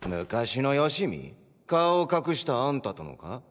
顔を隠したあんたとのか？